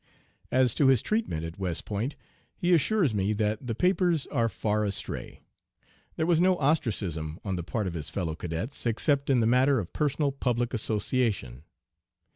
As to his treatment at West Point, he assures me that the "papers" are far astray. There was no ostracism on the part of his fellow cadets, except in the matter of personal public association.